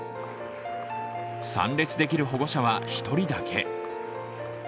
参列できる保護者は１人だけ。